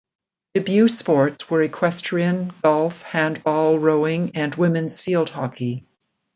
Debut sports were equestrian, golf, handball, rowing, and Women's field hockey.